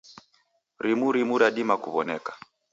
Rimu rimu radima kuw'oneka.